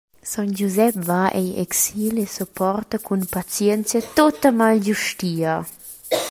Sogn Giusep va egl exil e supporta cun pazienzia tutta malgiustia.